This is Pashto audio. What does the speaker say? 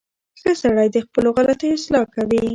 • ښه سړی د خپلو غلطیو اصلاح کوي.